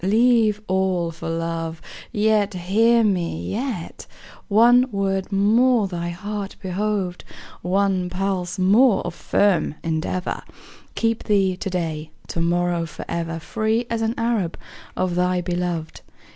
Leave all for love; Yet, hear me, yet, One word more thy heart behoved, One pulse more of firm endeavor, Keep thee to day, To morrow, forever, Free as an Arab Of thy beloved.